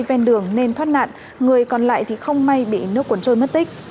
phen đường nên thoát nạn người còn lại không may bị nước cuốn trôi mất tích